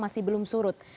masih belum surut